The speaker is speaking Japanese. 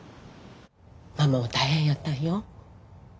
ママは大変やったんよ。